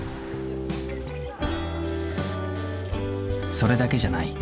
それだけじゃない。